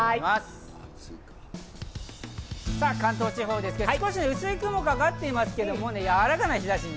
関東地方ですけど、薄い雲がかかっていますけど、やわらかな日差し。